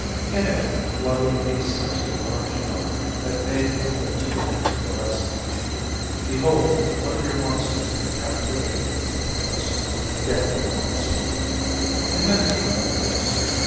In it, glowed a sinister orange lump that made the whole tube fluorescent. "Behold one of your monsters in captivity!" said the professor, again with a wan smile. "In miniature, of course.